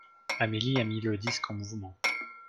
Amélie a mis le disque en mouvement.